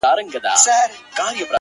• هره ورځ کوي له خلکو څخه غلاوي ,